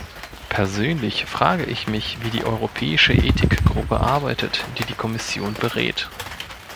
Persönlich frage ich mich, wie die Europäische Ethik-Gruppe arbeitet, die die Kommission berät.